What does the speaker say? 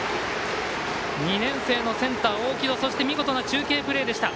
２年生のセンター、大城戸そして見事な中継プレーでした。